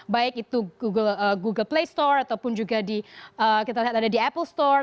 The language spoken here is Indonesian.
baik itu google play store ataupun juga di kita lihat ada di apple store